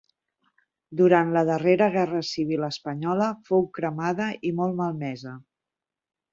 Durant la darrera guerra civil espanyola fou cremada i molt malmesa.